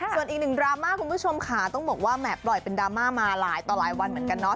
ส่วนอีกหนึ่งดราม่าคุณผู้ชมค่ะต้องบอกว่าแหมปล่อยเป็นดราม่ามาหลายต่อหลายวันเหมือนกันเนาะ